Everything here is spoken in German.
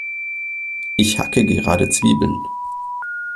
Ich hacke gerade Zwiebeln.